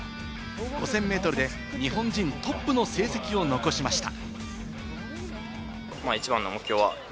５０００ｍで日本人トップの成績を残しました。